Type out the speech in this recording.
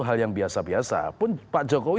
hal yang biasa biasa pun pak jokowi